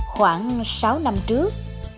khoảng sáu năm trước